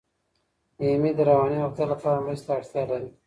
ایمي د رواني روغتیا لپاره مرستې ته اړتیا لري.